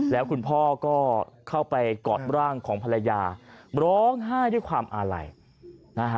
แล้วคุณพ่อก็เข้าไปกอดร่างของภรรยาร้องไห้ด้วยความอาลัยนะฮะ